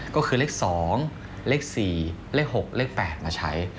ก็คือเลข๒เลข๔เลข๖เลข๘มาใช้